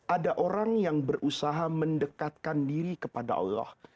ada orang yang berusaha mendekatkan diri kepada allah